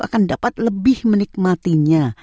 akan dapat lebih menikmatinya